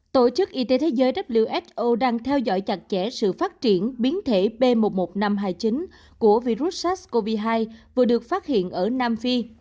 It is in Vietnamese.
tổ chức y tế thế giới who đang theo dõi chặt chẽ sự phát triển biến thể b một mươi một nghìn năm trăm hai mươi chín của virus sars cov hai vừa được phát hiện ở nam phi